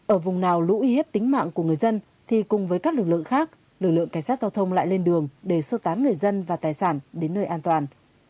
ở vùng nào lũ uy hiếp tính mạng của người dân thì cùng với các lực lượng khác lực lượng cảnh sát giao thông lại lên đường để sơ tán người dân và tài sản đến nơi an toàn